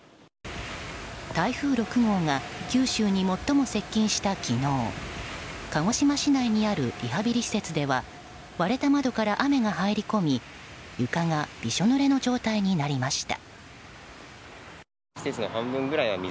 台風６号が九州に最も接近した昨日鹿児島市内にあるリハビリ施設では割れた窓から雨が入り込み床が、びしょぬれの状態になりました。